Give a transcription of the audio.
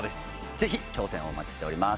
ぜひ挑戦をお待ちしております。